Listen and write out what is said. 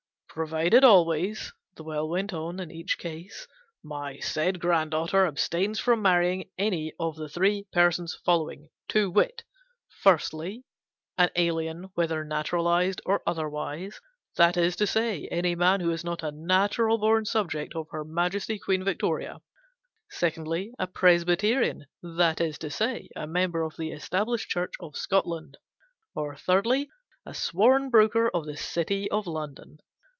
" Pro vided always," the will went on in each case, " my said grand daughter abstains from marry ing any of the three persons following to wit, firstly, an alien, whether naturalized or other wise ; that is to say, any man who is not a natural born subject of Her Majesty Queen Victoria : secondly, a Presbyterian ; that is to say, a member of the Established Church of Scotland : or, thirdly, a sworn broker of the City of London.